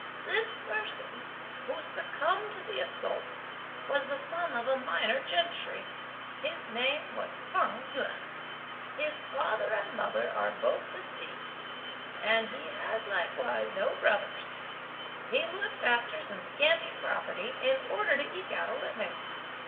This person, who succumbed to the assault, was the son of a minor gentry. His name was Feng Yüan. His father and mother are both deceased, and he has likewise no brothers. He looked after some scanty property in order to eke out a living.